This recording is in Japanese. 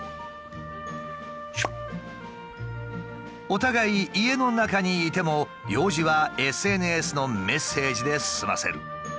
お互い家の中にいても用事はＳＮＳのメッセージで済ませる。